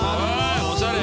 おしゃれ。